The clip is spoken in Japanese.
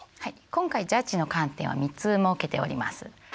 今回ジャッジの観点は３つ設けております。